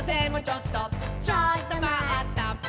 ちょっとまった！」